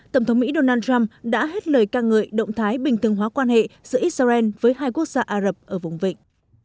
tổng thống mỹ donald trump đã hết lời ca ngợi động thái bình thường hóa quan hệ giữa israel với hai quốc gia ả rập ở vùng vịnh